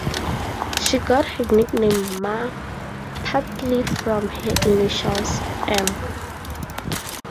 She got her nickname "Ma" partly from her initials "M.